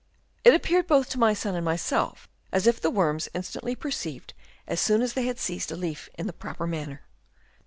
It appeared both to my son and myself as if the worms instantly perceived as soon as they had seized a leaf in the proper manner.